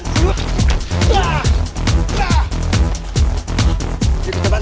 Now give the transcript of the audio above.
tunggu disini entar